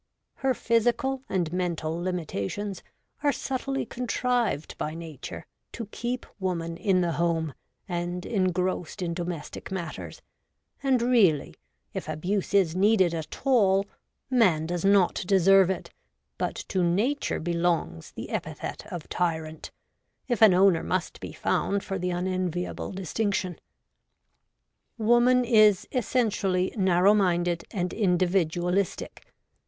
Her physical WOMAN IN ART, LITERATURE, S^c. 47 and mental limitations are subtly contrived by nature to keep woman in the home and engrossed in domestic matters ; and, really, if abuse is needed at all, man does not deserve it, but to nature belongs the epithet of tyrant, if an owner must be found for the unenviable distinction. Woman is essentially narrow minded and in dividualistic.